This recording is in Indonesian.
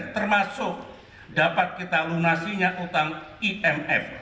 termasuk dapat kita lunasinya utang imf